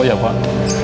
oh ya pak